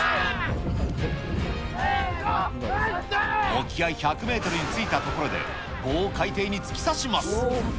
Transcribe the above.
沖合１００メートルに着いたところで、棒を海底に突き刺します。